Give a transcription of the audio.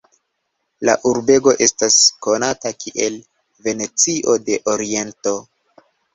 La urbego estas konata kiel Venecio de Oriento.